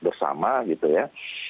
bersama gitu ya